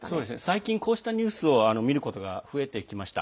最近、こうしたニュースを見ることが増えてきました。